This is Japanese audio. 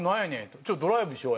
「ちょっとドライブしようや」。